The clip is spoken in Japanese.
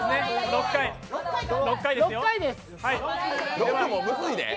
６もむずいで。